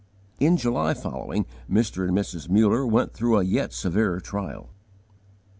In July following, Mr. and Mrs. Muller went through a yet severer trial.